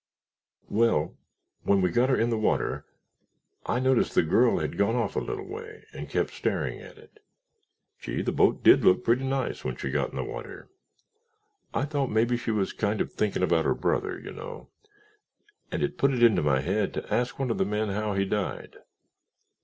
Well, when we got her in the water I noticed the girl had gone off a little way and kept staring at it. Gee, the boat did look pretty nice when she got in the water. I thought maybe she was kind of thinking about her brother, you know, and it put it into my head to ask one of the men how he died.